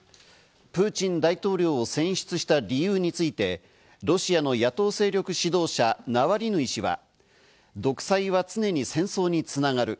プーチン大統領を選出した理由について、ロシアの野党勢力指導者・ナワリヌイ氏は独裁は常に戦争に繋がる。